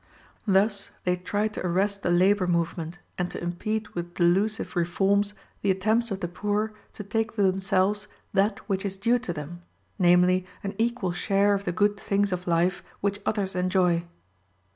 Thus they try to arrest the labor movement, and to impede with delusive reforms the attempts of the poor to take to themselves that which is due to them, namely an equal share of the good things of life which others enjoy.